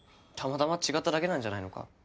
たまたま違っただけなんじゃないのか？